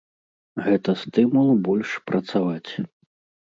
Гэта стымул больш працаваць.